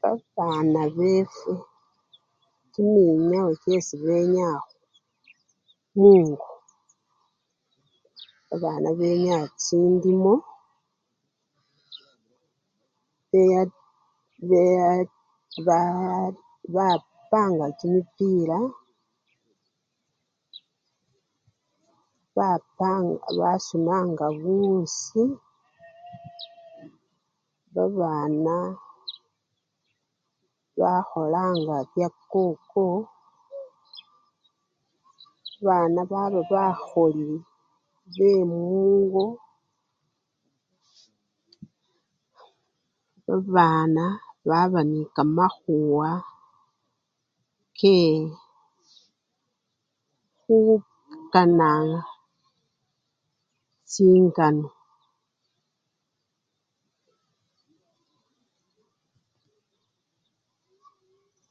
Babana befwe kiminyawo kyesi benyaa mungo, babana benyaa chindimo, benya! baa! bapanga kimipira, bapa! basunanga buwusi, babana bakholanga byakoko, babana baba bakholi bemungo, babana baba nekamakhuwa kekhukana! chingano.